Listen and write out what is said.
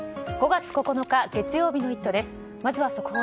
５月９日、月曜日の「イット！」です。